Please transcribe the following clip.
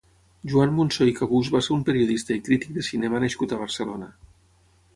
Joan Munsó i Cabús va ser un periodista i crític de cinema nascut a Barcelona.